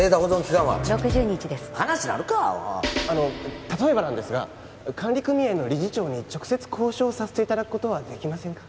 話になるかアホあの例えばなんですが管理組合の理事長に直接交渉させていただくことはできませんか？